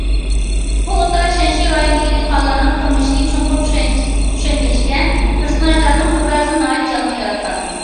ئۇ ئوتتۇرا شەنشى رايونىدىكى دېھقانلارنىڭ تۇرمۇشىنى چوڭقۇر چۈشەنگەچكە، پېرسوناژلارنىڭ ئوبرازىنى ناھايىتى جانلىق ياراتقان.